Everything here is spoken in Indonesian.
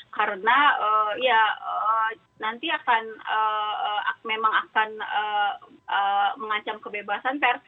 karena nanti akan memang akan mengancam kebebasan pers